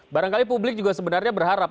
barangkali publik juga sebenarnya berharap